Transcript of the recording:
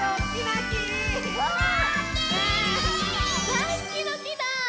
だいすきの木だ！